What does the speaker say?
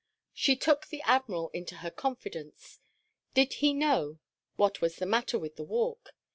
She took the Admiral into her confidence. Did he know what was the matter with the Walk?